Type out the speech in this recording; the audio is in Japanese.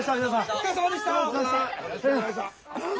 お疲れさまでした。